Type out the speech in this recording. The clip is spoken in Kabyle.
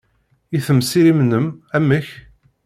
I temsirin-nnem, amek?